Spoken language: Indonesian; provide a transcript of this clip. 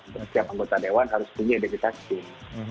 setiap anggota daewan harus punya identitas pin